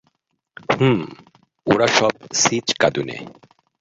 হুম, ওরা সব ছিঁচকাঁদুনে।